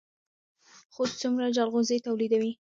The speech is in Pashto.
خوست څومره جلغوزي تولیدوي؟